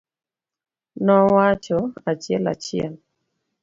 Nowacho achiel achiel.